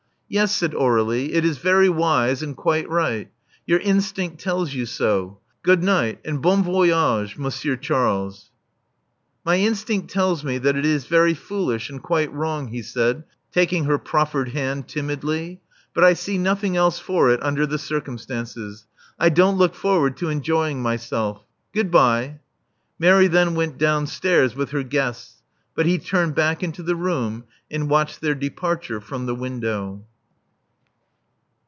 Yes/' said Aur^lie, it is very wise, and quite right. Your instinct tells you so. Good night and bon voyage^ Monsieur Charles." My instinct tells me that it is very foolish and quite wrong,'* he said, taking her proffered hand timidly; but I see nothing else for it under the circumstances. I don't look forward to enjoying myself. Goodbye." Mary then went downstairs with her guests; but he turned back into the room, and watched their departure from the window.